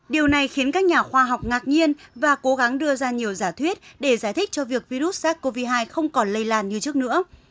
điều này khiến các nhà khoa học ngạc nhiên và cố gắng đưa ra nhiều giả thuyết để giải thích cho việc virus sars cov hai không còn lây lan như trước nữa